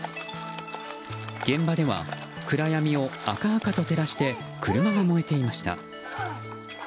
現場では暗闇を明々と照らして車が燃えていました。